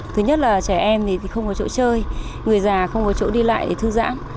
thứ nhất là trẻ em thì không có chỗ chơi người già không có chỗ đi lại để thư giãn